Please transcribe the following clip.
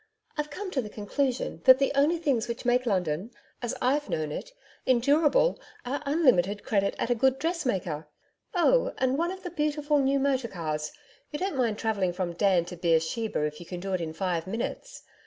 I've come to the conclusion that the only things which make London as I've known it endurable are unlimited credit at a good dressmaker Oh, and one of the beautiful new motor cars. You don't mind travelling from Dan to Beersheba if you can do it in five minutes.